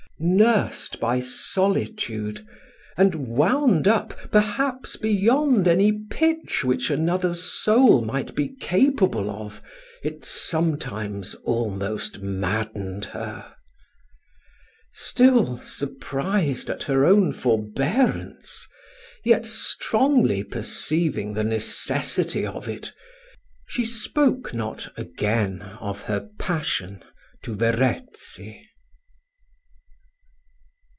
Nursed by solitude, and wound up, perhaps, beyond any pitch which another's soul might be capable of, it sometimes almost maddened her. Still, surprised at her own forbearance, yet strongly perceiving the necessity of it, she spoke not again of her passion to Verezzi.